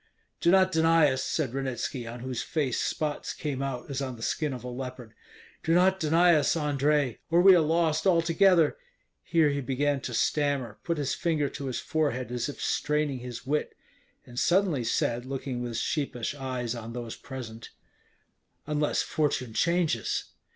"Do not deny us," said Ranitski, on whose face spots came out as on the skin of a leopard. "Do not deny us, Andrei, or we are lost altogether." Here he began to stammer, put his finger to his forehead as if straining his wit, and suddenly said, looking with sheepish eyes on those present, "Unless fortune changes."